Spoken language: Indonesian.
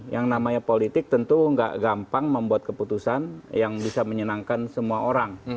yang namanya politik tentu nggak gampang membuat keputusan yang bisa menyenangkan semua orang